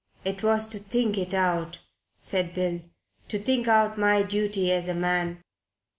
It was to think it out," said Bill. "To think out my duty as a man."